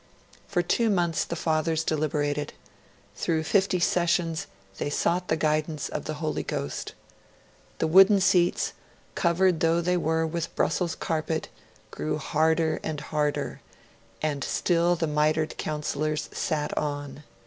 For two months the Fathers deliberated; through fifty sessions they sought the guidance of the Holy Ghost. The wooden seats, covered though they were with Brussels carpet, grew harder and harder; and still the mitred Councillors sat on.